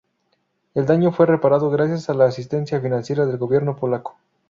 El daño fue reparado gracias a la asistencia financiera del gobierno polaco.